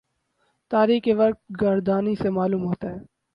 تاریخ کی ورق گردانی سے معلوم ہوتا ہے